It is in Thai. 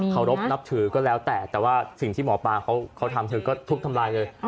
รบนับถือก็แล้วแต่แต่ว่าสิ่งที่หมอปลาเขาทำเธอก็ทุบทำลายเลย